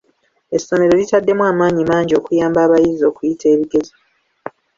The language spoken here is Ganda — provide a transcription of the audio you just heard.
Essomero litaddemu amaanyi mangi okuyamba abayizi okuyita ebigezo.